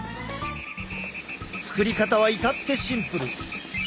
作り方は至ってシンプル。